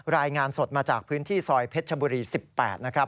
รายงานสดมาจากพื้นที่ซอยเพชรชบุรี๑๘นะครับ